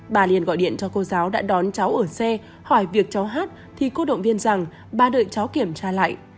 bà liên gọi điện cho cô giáo đã đón cháu ở xe hỏi việc cháu hát thì cô động viên rằng ba đợi cháu kiểm tra lại